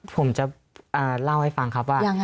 ผมจะเล่าให้ฟังครับว่า